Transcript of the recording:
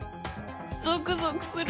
ゾクゾクする！